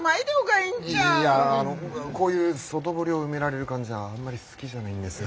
いやあのこういう外堀を埋められる感じはあんまり好きじゃないんですが。